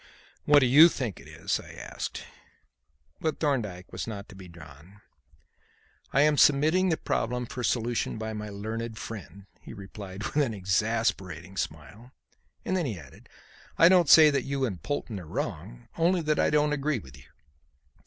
"What do you think it is?" I asked. But Thorndyke was not to be drawn. "I am submitting the problem for solution by my learned friend," he replied with an exasperating smile, and then added: "I don't say that you and Polton are wrong; only that I don't agree with you.